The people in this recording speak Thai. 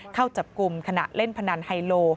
เข้าจับกลุ่มขณะเล่นพนันไฮโล